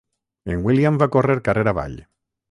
En William va córrer carrer avall.